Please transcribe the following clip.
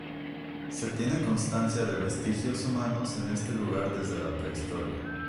Se tiene constancia de vestigios humanos en este lugar desde la prehistoria.